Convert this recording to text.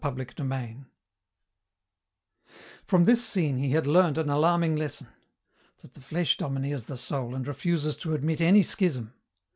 CHAPTER XIV From this scene he had learned an alarming lesson: that the flesh domineers the soul and refuses to admit any schism.